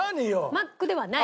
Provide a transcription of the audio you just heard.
マックではない？